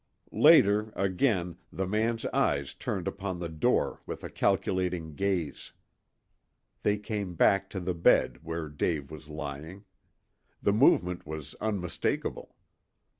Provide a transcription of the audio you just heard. Later, again, the man's eyes turned upon the door with a calculating gaze. They came back to the bed where Dave was lying. The movement was unmistakable.